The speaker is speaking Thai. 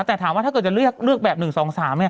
แต่ถามว่าถ้าเกิดจะเลือกแบบ๑๒๓